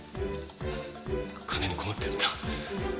金に困ってるんだ。